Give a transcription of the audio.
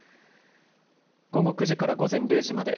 午後９時から午前０時まで。